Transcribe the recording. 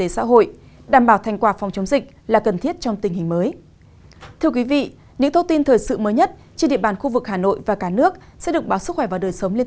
sẽ được báo sức khỏe và đời sống liên tục cập nhận